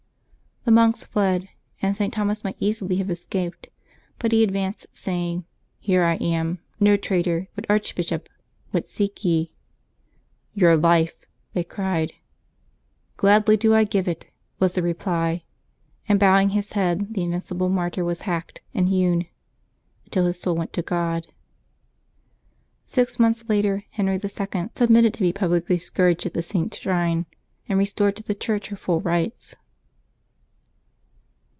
The monks fled, and St. Thomas might easily have escaped. But he ad vanced, saying :" Here I am — no traitor, but arch bishop. Wliat seek you?" '^Your life," they cried. *^ Gladly do I give it," was the reply ; and bowing his head, the invincible martyr was hacked and hewn till his soul went to God. Six months later Henry II. submitted to be publicly scourged at the Saint's shrine, and restored to the Church her full rights.